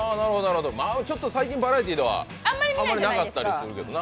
最近、バラエティーではあんまりなかったりするかな。